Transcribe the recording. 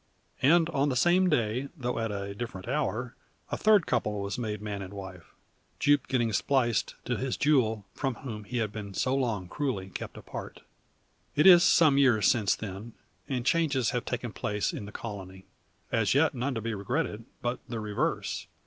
And on the same day, though at a different hour, a third couple was made man and wife; Jupe getting spliced to his Jule, from whom he had been so long cruelly kept apart. It is some years since then, and changes have taken place in the colony. As yet none to be regretted, but the reverse.